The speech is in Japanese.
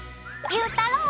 ゆうたろう。